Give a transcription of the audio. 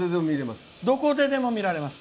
どこででも見られます。